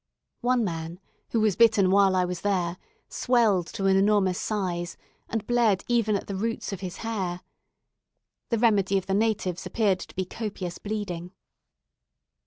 One man, who was bitten when I was there, swelled to an enormous size, and bled even at the roots of his hair. The remedy of the natives appeared to be copious bleeding.